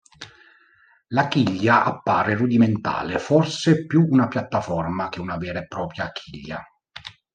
La chiglia appare rudimentale, forse più una piattaforma che una vera e propria chiglia.